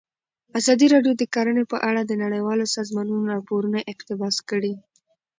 ازادي راډیو د کرهنه په اړه د نړیوالو سازمانونو راپورونه اقتباس کړي.